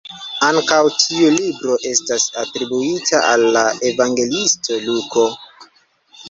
Ankaŭ tiu libro estas atribuita al la evangeliisto Luko.